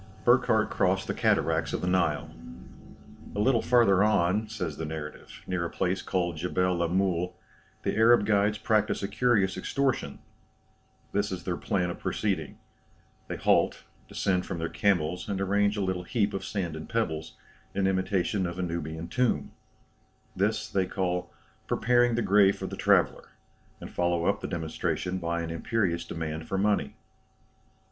Burckhardt crossed the cataracts of the Nile. "A little farther on," says the narrative, "near a place called Djebel Lamoule, the Arab guides practise a curious extortion." This is their plan of proceeding. They halt, descend from their camels, and arrange a little heap of sand and pebbles, in imitation of a Nubian tomb. This they, call "preparing the grave for the traveller" and follow up the demonstration by an imperious demand for money.